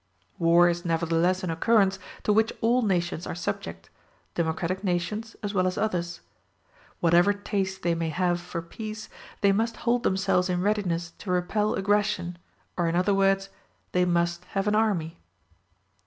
War is nevertheless an occurrence to which all nations are subject, democratic nations as well as others. Whatever taste they may have for peace, they must hold themselves in readiness to repel aggression, or in other words they must have an army.